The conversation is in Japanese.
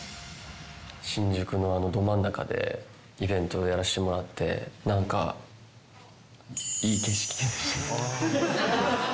新宿のど真ん中でイベントをやらせてもらって、なんか、いい景色でした。